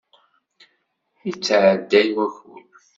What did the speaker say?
Ittɛedday wakud.